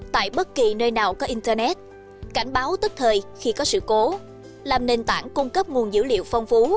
tại bất kỳ nơi nào có internet cảnh báo tức thời khi có sự cố làm nền tảng cung cấp nguồn dữ liệu phong phú